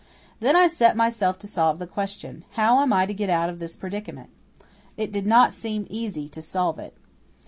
Then I set myself to solving the question, "How am I to get out of this predicament?" It did not seem easy to solve it.